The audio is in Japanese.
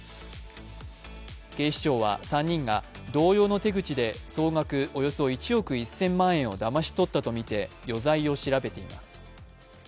警視庁は３人が同様の手口で総額およそ１億１０００万円をだまし取ったとみて余罪を調べています。